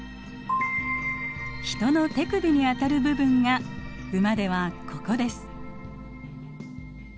ヒトの手首にあたる部分がウマではここです。